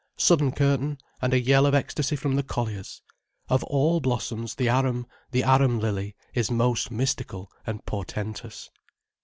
Sudden curtain, and a yell of ecstasy from the colliers. Of all blossoms, the arum, the arum lily is most mystical and portentous.